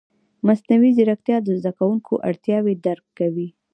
مصنوعي ځیرکتیا د زده کوونکو اړتیاوې درک کوي.